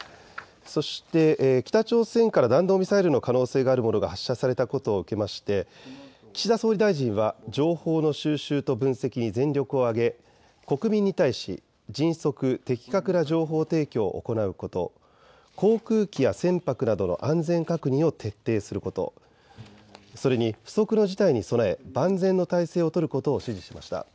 そして北朝鮮から弾道ミサイルの可能性があるものが発射されたことを受けまして岸田総理大臣は情報の収集と分析に全力を挙げ国民に対し迅速的確な情報提供を行うこと、航空機や船舶などの安全確認を徹底すること、それに不測の事態に備え万全の態勢を取ることを指示しました。